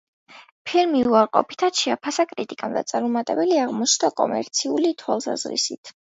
ფილმი უარყოფითად შეაფასა კრიტიკამ და წარუმატებელი აღმოჩნდა კომერციული თვალსაზრისით.